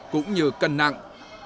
cũng như cân nặng